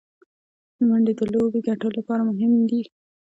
منډې د لوبي ګټلو له پاره مهمي دي.